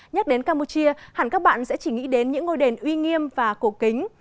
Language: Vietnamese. nhắc đến campuchia hẳn các bạn sẽ chỉ nghĩ đến những ngôi đền uy nghiêm và cổ kính